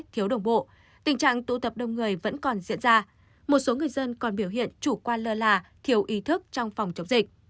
tình trạng tụ tập đông người vẫn còn diễn ra một số người dân còn biểu hiện chủ quan lơ là thiếu ý thức trong phòng chống dịch